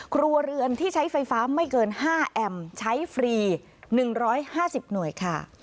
ครัวเรือนที่ใช้ไฟฟ้าไม่เกิน๕แอมป์ใช้ฟรี๑๕๐หน่วยค่ะ